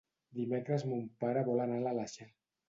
Dimecres mon pare vol anar a l'Aleixar.